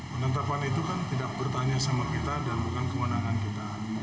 penetapan itu kan tidak bertanya sama kita dan bukan kewenangan kita